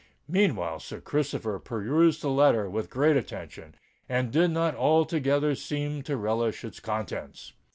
Meantime Sir Christopher perused the letter with great attention, and did not altogether seem to relish its contents.